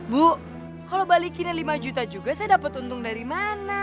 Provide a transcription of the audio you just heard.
bu kalau balikinnya lima juta juga saya dapat untung dari mana